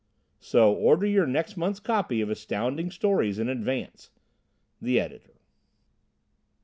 So order your next month's copy of ASTOUNDING STORIES in advance! _The Editor.